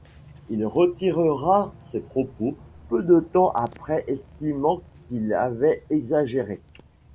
Il retirera ses propos peu de temps après, estimant qu'il avait exagéré.